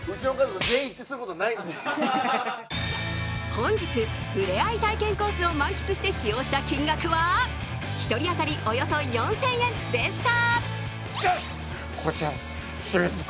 本日、ふれあい体験コースを満喫して使用した金額は１人当たり、およそ４０００円でした。